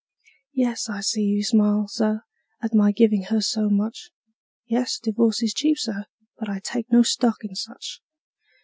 Yes, I see you smile, Sir, at my givin' her so much; Yes, divorce is cheap, Sir, but I take no stock in such!